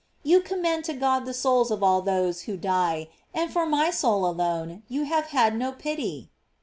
you commend to God the souls of all those who die, and for my soul alone you have had no pity."